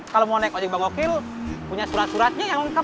kalau mau naik ojek bang okil punya surat suratnya yang lengkap